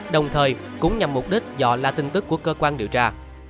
đồng thời cũng nhằm mục đích dọa la tin tức của cơ quan điều tra